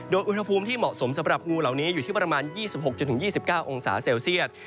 โดยอุณหภูมิที่เหมาะสมสำหรับงูเหล่านี้อยู่ที่ประมาณ๒๖๒๙องศาเซลเซียต